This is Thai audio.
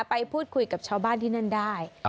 ไปพูดคุยกับชาวบ้านที่นั่นได้